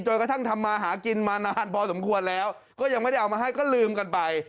กระทั่งทำมาหากินมานานพอสมควรแล้วก็ยังไม่ได้เอามาให้ก็ลืมกันไป